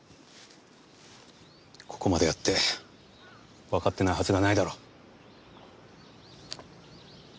ここまでやってわかってないはずがないだろう。